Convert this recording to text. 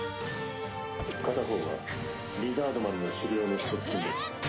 片方はリザードマンの首領の側近です。